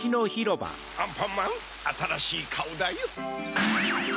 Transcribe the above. アンパンマンあたらしいカオだよ。